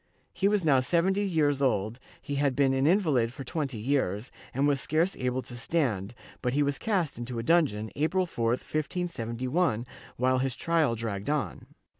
He was now seventy years old, he had been an invalid for twenty years, and was scarce able to stand, but he was cast into a dungeon, April 4, 1571, while his trial dragged on.